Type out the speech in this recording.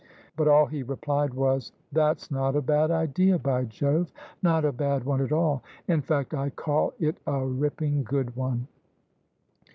But all he replied was, "That's not a bad idea, by Jove, not a bad one at all ! In fact, I call it a ripping good one."